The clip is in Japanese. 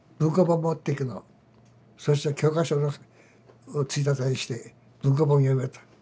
そして教科書をついたてにして文庫本読みよった。